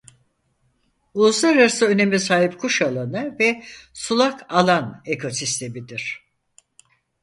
Uluslararası öneme sahip kuş alanı ve sulak alan ekosistemidir.